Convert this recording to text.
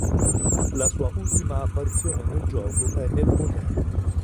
La sua ultima apparizione nel gioco è nel motel.